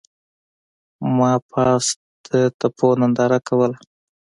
ما پاس د تپو ننداره کوله.